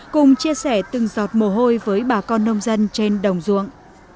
cùng chia sẻ từng giọt mồ hôi với bà con nông dân trên đồng ruộng